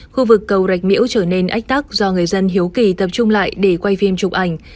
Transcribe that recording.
khu vực cầu rạch miễu trở nên ách tắc do người dân hiếu kỳ tập trung lại để quay phim chụp ảnh